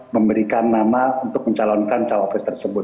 memberikan nama untuk mencalonkan cawapres tersebut